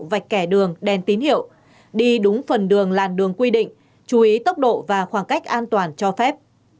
vạch kẻ đường đèn tín hiệu đi đúng phần đường làn đường quy định chú ý tốc độ và khoảng cách an toàn cho phép